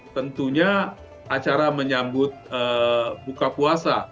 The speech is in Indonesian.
tentunya acara menyambut buka puasa